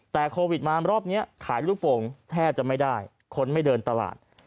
แต่โควิดมารอบนี้ขายลูกโป่งแทบจะไม่ได้คนไม่เดินตลาด